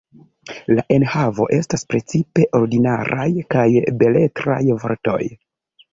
La enhavo estas precipe ordinaraj kaj beletraj vortoj.